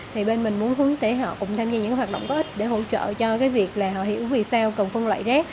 thì bên mình muốn hướng tới họ cũng tham gia những hoạt động có ích để hỗ trợ cho cái việc là họ hiểu vì sao cần phân loại rác